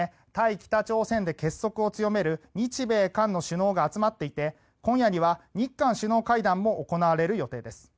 北朝鮮で結束を強める日米韓の首脳が集まっていて今夜には日韓首脳会談も行われる予定です。